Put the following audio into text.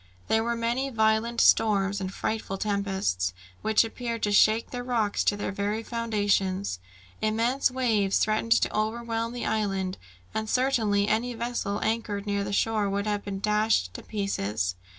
There were many violent storms and frightful tempests, which appeared to shake the rocks to their very foundations. Immense waves threatened to overwhelm the island, and certainly any vessel anchored near the shore would have been dashed to pieces.